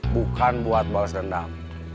bukan buat balas dendam